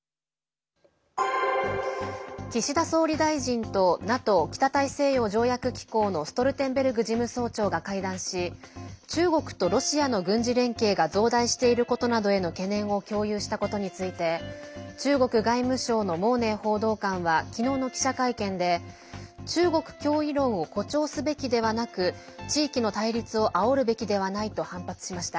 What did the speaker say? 岸田総理大臣とＮＡＴＯ＝北大西洋条約機構のストルテンベルグ事務総長が会談し中国とロシアの軍事連携が増大していることなどへの懸念を共有したことについて中国外務省の毛寧報道官は昨日の記者会見で中国脅威論を誇張するわけでなく地域の対立をあおるべきではないと反発しました。